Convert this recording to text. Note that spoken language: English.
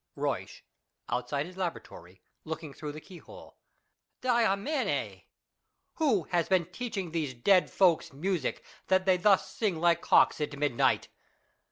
Ruysch (outside his laboratory, looking through the key hole). Diamine ! Who has been teaching these dead folks music, that they thus sing like cocks, at midnight